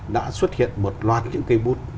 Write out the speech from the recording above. đã xuất hiện một loạt những cây bút